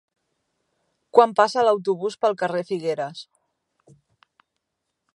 Quan passa l'autobús pel carrer Figueres?